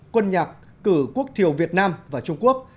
quân nhạc cử quốc thiều việt nam và trung quốc